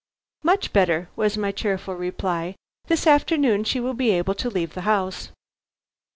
"Much better," was my cheerful reply. "This afternoon she will be able to leave the house."